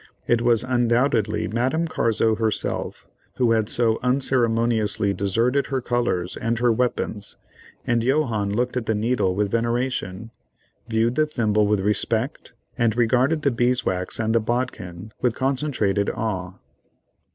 It was undoubtedly Madame Carzo herself who had so unceremoniously deserted her colors and her weapons, and Johannes looked at the needle with veneration, viewed the thimble with respect, and regarded the beeswax and the bodkin with concentrated awe.